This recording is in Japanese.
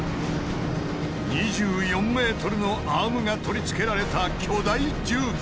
２４ｍのアームが取り付けられた巨大重機。